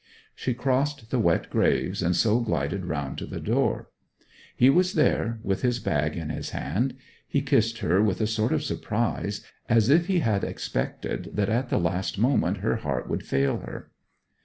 She crossed the wet graves, and so glided round to the door. He was there, with his bag in his hand. He kissed her with a sort of surprise, as if he had expected that at the last moment her heart would fail her.